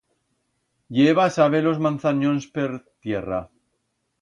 I heba a-saber-los manzanyons per tierra